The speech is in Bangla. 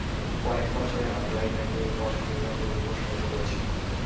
কয়েক বছরে, আমরা এটাকে দশ কিলোমিটার পর্যন্ত প্রসারিত করেছি।